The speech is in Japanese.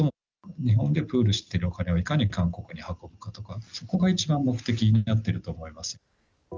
日本でプールしているお金をいかに韓国に運ぶかとか、そこが一番目的になっていると思いますよ。